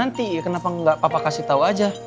terima kasih tahu